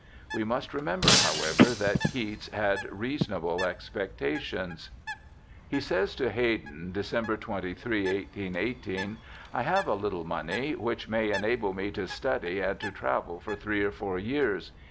We must remember, however, that Keats had reasonable expectations. He says to Haydon, December 23, 1818, ' I have a little money, which may enable me to study and to travel for three or four years.'